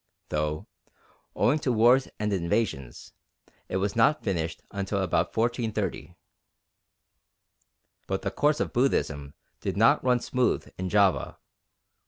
though, owing to wars and invasions, it was not finished until about 1430. But the course of Buddhism did not run smooth in Java.